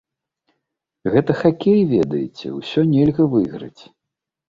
Гэта хакей, ведаеце, усё нельга выйграць.